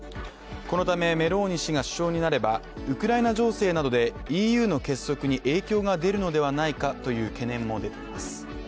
このため、メローニ氏が首相になればウクライナ醸成などでＥＵの結束に影響が出るのではないかという懸念も出ています。